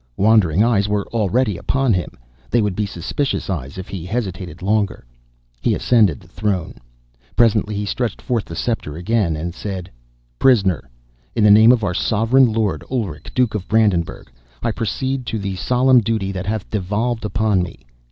Wondering eyes were already upon him. They would be suspicious eyes if he hesitated longer. He ascended the throne. Presently he stretched forth the sceptre again, and said: "Prisoner, in the name of our sovereign lord, Ulrich, Duke of Brandenburgh, I proceed to the solemn duty that hath devolved upon me.